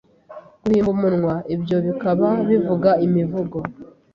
guhimba umunwa-ibyo bikaba bivuga imivugo